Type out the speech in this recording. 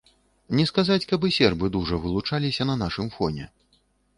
Не сказаць, каб і сербы дужа вылучаліся на нашым фоне.